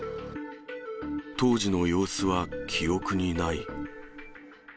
当時の様子は記憶にない。